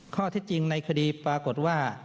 ข้อเท็จจริงในคดีปรากฏว่า